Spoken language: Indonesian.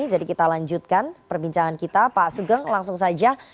kita lanjutkan perbincangan kita pak sugeng langsung saja